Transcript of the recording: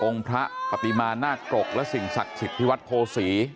องค์พระปฏิมาณหน้ากกและสิ่งศักดิ์สิทธิวัตรโภษี